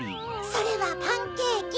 そうパンケーキ！